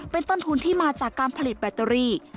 เป็นต้นทุนที่มาจากการผลิตแบตเตอรี่